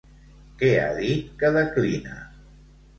Què ha dit que declina?